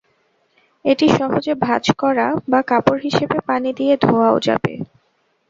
এটি সহজে ভাঁজ করা বা কাপড় হিসেবে পানি দিয়ে ধোয়াও যাবে।